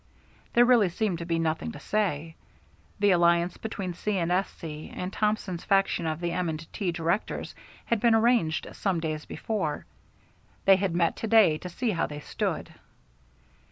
There really seemed to be nothing to say. The alliance between C. & S.C. and Thompson's faction of the M. & T. directors had been arranged some days before. They had met to day to see how they stood.